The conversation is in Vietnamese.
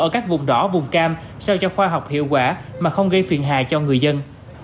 ở các vùng đỏ vùng cam sao cho khoa học hiệu quả mà không gây phiền hà cho người dân